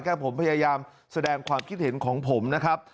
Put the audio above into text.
แค่ผมพยายามแสดงความคิดเห็นของผมนะครับ